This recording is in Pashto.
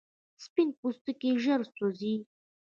سپین پوستکی ژر سوځي